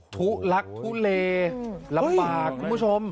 ทุลักทุเลลำบากคุณผู้ชม